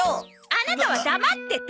アナタは黙ってて！